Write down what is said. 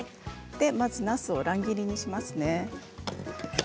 まずは、なすを乱切りにしますね。